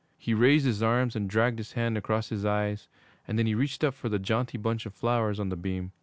He raised his arm and dragged his hand across his eyes, and then he reached up for the jaunty bunch of flowers on the beam.